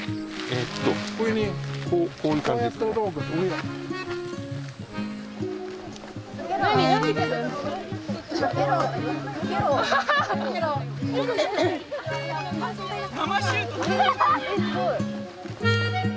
えっすごい。